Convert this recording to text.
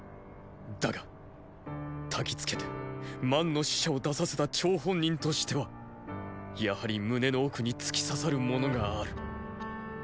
だがたきつけて万の死者を出させた張本人としてはやはり胸の奥に突き刺さるものがある。